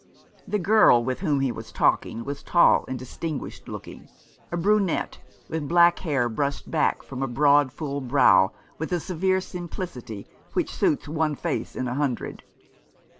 The girl with whom he was talking was tall and distinguished looking, a brunette, with black hair brushed back from the broad full brow with a severe simplicity which suits one face in a hundred.